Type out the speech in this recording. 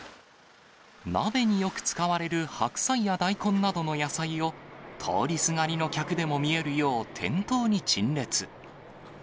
鍋によく使われる白菜や大根などの野菜を、通りすがりの客でも見えるよう、店頭に陳列。